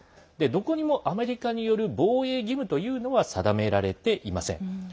どこにもアメリカによる防衛義務というのは定められていません。